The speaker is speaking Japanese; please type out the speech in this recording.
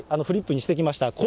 フリップにしてきました。